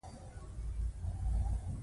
لمسی د اختر ورځې حسابوي.